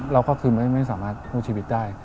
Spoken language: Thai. เราก็คือไม่สามารถสู้ชีวิตได้